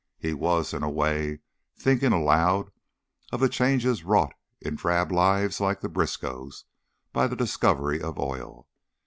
He was, in a way, thinking aloud of the changes wrought in drab lives like the Briskows' by the discovery of oil.